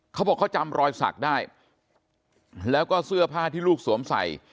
เขาบอกเขาจำรอยสักได้แล้วก็เสื้อผ้าที่ลูกสวมใส่